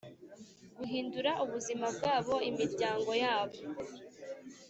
kuhindura ubuzima bwabo imiryango yabo